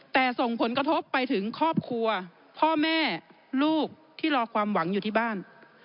แต่ส่งผลกระทบไปถึงครอบครัวพ่อแม่ลูกที่รอความหวังอยู่ที่บ้าน